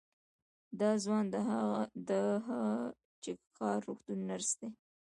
دا ځوان د هه چه ښار روغتون نرس دی.